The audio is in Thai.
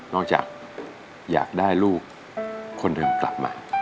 จากอยากได้ลูกคนเดิมกลับมา